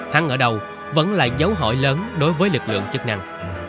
hăng ở đầu vẫn là dấu hỏi lớn đối với lực lượng chức năng